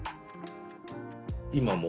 今も？